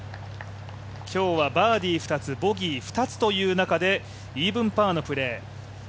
今日はバーディー２つ、ボギー２つという中でイーブンパーのプレー。